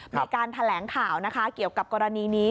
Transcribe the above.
มีการแถลงข่าวนะคะเกี่ยวกับกรณีนี้